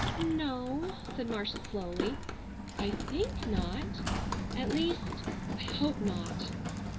"No," said Marcia slowly; "I think not. At least—I hope not.